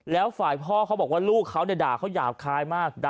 แล้วฝ่ายพ่อบอกว่าลูกเดี่ยวด่าเขาหยาบคายมาก